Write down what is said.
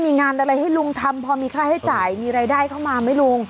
มีงานอะไรให้ลุงทำพอมีค่าให้จ่ายมีรายได้เข้ามาไหมลุง